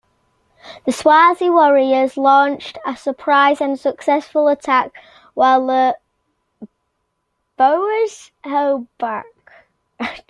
The Swazi warriors launched a surprise and successful attack while the Boers held back.